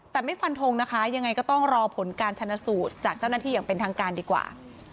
แต่ไม่ฟันทงนะคะยังไงก็ต้องรอผลการชนะสูตรจากเจ้าหน้าที่อย่างเป็นทางการดีกว่า